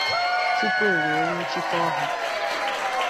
tupu e wee nwụchikọọ ha.